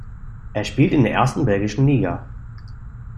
Er spielt in der ersten belgischen Liga.